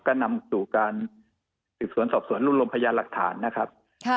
ก็นำสู่การสืบสวนสอบสวนรวมพยานหลักฐานนะครับ